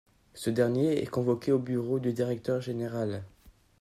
Ce dernier est convoqué au bureau du directeur général.